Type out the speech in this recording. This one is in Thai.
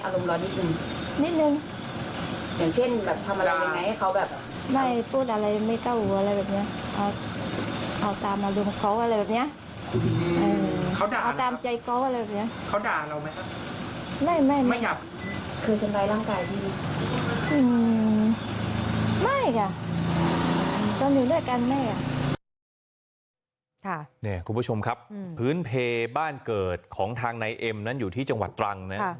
คุณผู้ชมครับพื้นเพบ้านเกิดของทางนายเอ็มนั้นอยู่ที่จังหวัดตรังนะ